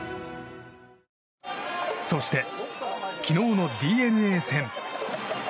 そして昨日のＤｅＮＡ戦。